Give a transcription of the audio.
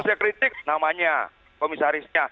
saya kritik namanya komisarisnya